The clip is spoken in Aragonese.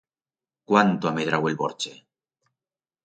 Cuánto ha medrau el borche!